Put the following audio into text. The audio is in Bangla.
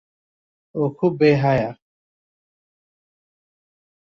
ও খুবই বেহায়া।